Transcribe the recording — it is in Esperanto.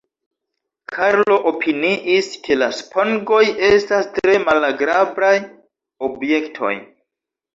Karlo opiniis, ke la spongoj estas tre malagrablaj objektoj.